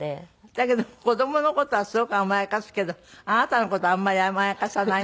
だけど子供の事はすごく甘やかすけどあなたの事はあまり甘やかさないんですって？